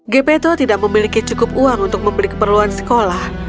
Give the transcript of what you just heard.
gpto tidak memiliki cukup uang untuk membeli keperluan sekolah